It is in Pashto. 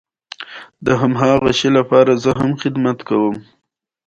دوی له پخوانیو عسکرو سره مرسته کوي.